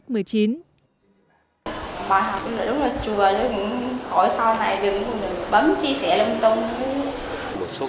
bà học là đúng là chùa đúng là khỏi sau này đứng bấm chia sẻ lông tông